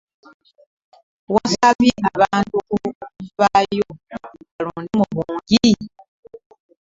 Yasabye abantu okuvaayo balonde mu bungi